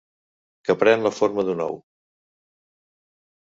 Que pren la forma d'un ou.